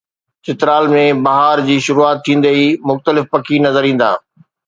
چترال ۾ بهار جي شروعات ٿيندي ئي مختلف پکي نظر ايندا